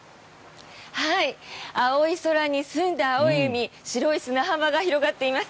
青い空に澄んだ青い海白い砂浜が広がっています。